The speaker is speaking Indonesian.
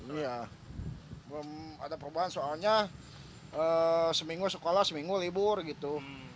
iya belum ada perubahan soalnya seminggu sekolah seminggu libur gitu